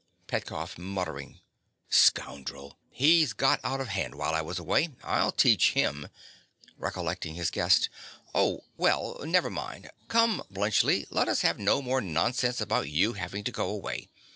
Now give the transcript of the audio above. PETKOFF. (muttering). Scoundrel. He's got out of hand while I was away. I'll teach him. (Recollecting his guest.) Oh, well, never mind. Come, Bluntschli, lets have no more nonsense about you having to go away.